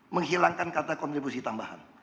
menghilangkan kata kontribusi tambahan